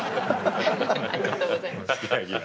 ありがとうございます。